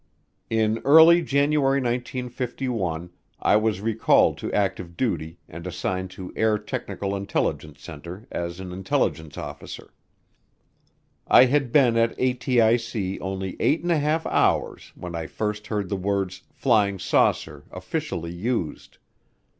In early January 1951 I was recalled to active duty and assigned to Air Technical Intelligence Center as an intelligence officer. I had been at ATIC only eight and a half hours when I first heard the words "flying saucer" officially used.